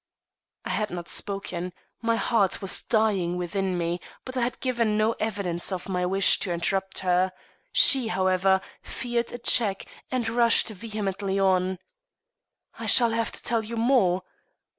(I had not spoken; my heart was dying within me, but I had given no evidence of a wish to interrupt her; she, however, feared a check, and rushed vehemently on.) "I shall have to tell you more.